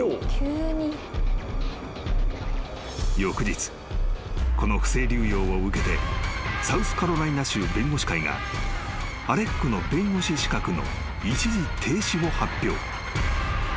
［翌日この不正流用を受けてサウスカロライナ州弁護士会がアレックの弁護士資格の一時停止を発表］